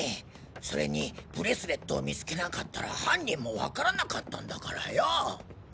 それにブレスレットを見つけなかったら犯人もわからなかったんだからよぉ。